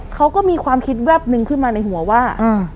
เขาก็มีความคิดแวบนึงขึ้นมาในหัวว่า